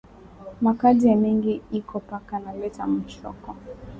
Ma Kaji ya mingi iko paka na leta muchoko